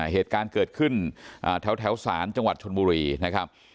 เหตุการณ์เกิดขึ้นแถวศาลจังหวัดชนบุรีนะครับ